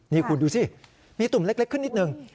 นี่คุณดูสิมีตุ่มเล็กขึ้นนิดนึง